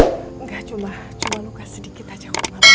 enggak cuma sedikit aja